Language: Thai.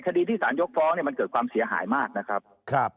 คดีที่สารยกฟ้องเนี่ยมันเกิดความเสียหายมากนะครับ